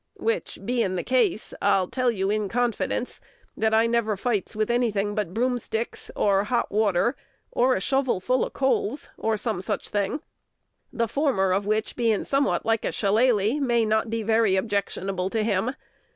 which bein' the case, I'll tell you in confidence that I never fights with any thing but broomsticks, or hot water, or a shovelful of coals, or some such thing; the former of which being somewhat like a shillalah, may not be very objectionable to him.